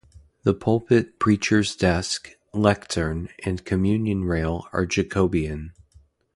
The pulpit preacher's desk, lectern and communion rail are Jacobean.